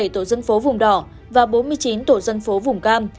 ba mươi bảy tổ dân phố vùng đỏ và bốn mươi chín tổ dân phố vùng cam